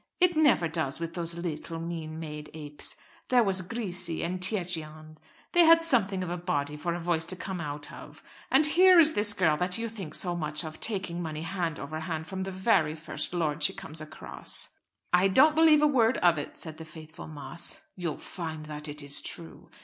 It never does with those little mean made apes. There was Grisi and Tietjens, they had something of a body for a voice to come out of. And here is this girl that you think so much of, taking money hand over hand from the very first lord she comes across." "I don't believe a word of it," said the faithful Moss. "You'll find that it is true.